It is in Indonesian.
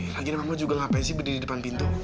akhirnya mama juga ngapain sih berdiri di depan pintu